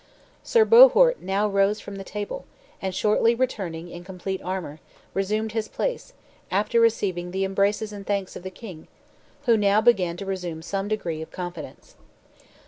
Sir Bohort now rose from table, and shortly returning in complete armor, resumed his place, after receiving the embraces and thanks of the king, who now began to resume some degree of confidence.